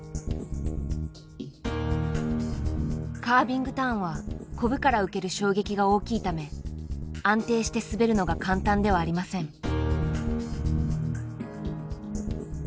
カービングターンはコブから受ける衝撃が大きいため安定して滑るのが簡単ではありません。